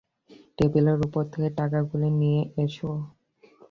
টেবিলের ওপর থেকে টাকাগুলি নিয়ে এসো।